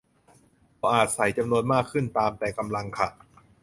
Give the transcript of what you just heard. ก็อาจใส่จำนวนมากขึ้นตามแต่กำลังค่ะ